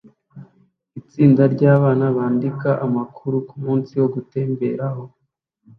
Itsinda ryabana bandika amakuru kumunsi wo gutembera h